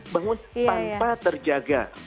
bangun tanpa terjaga